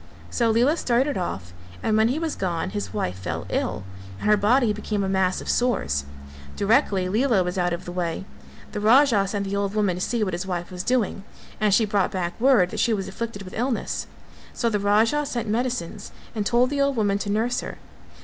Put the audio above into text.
So Lela started off and when he was gone his wife fell ill, and her body became a mass of sores. Directly Lela was out of the way, the Raja sent the old woman to see what his wife was doing and she brought back word that she was afflicted with illness; so the Raja sent medicines and told the old woman to nurse her.